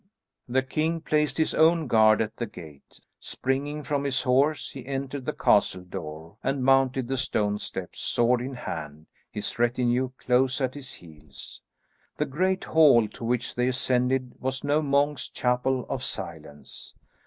The king placed his own guard at the gate. Springing from his horse he entered the castle door, and mounted the stone steps, sword in hand, his retinue close at his heels. The great hall to which they ascended was no monk's chapel of silence.